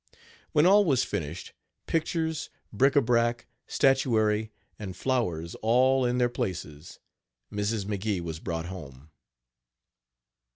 When all was finished pictures, bric a brac, statuary and flowers all in their places, Mrs. McGee was brought home.